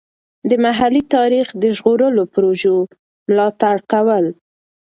د محلي تاریخ د ژغورلو پروژو ملاتړ کول.